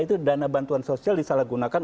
itu dana bantuan sosial disalah gunakan